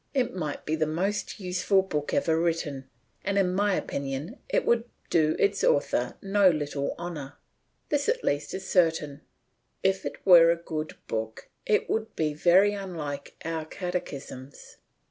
It might be the most useful book ever written, and, in my opinion, it would do its author no little honour. This at least is certain if it were a good book it would be very unlike our catechisms.